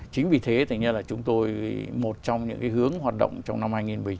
chính vì thế thì như là chúng tôi một trong những cái hướng hoạt động trong năm hai nghìn một mươi chín